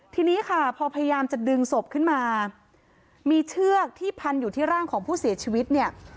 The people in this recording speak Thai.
ทีนี้ค่ะพอพยายามจะดึงศพขึ้นมามีเชือกที่พันอยู่ที่ร่างของผู้เสียชีวิตเนี่ย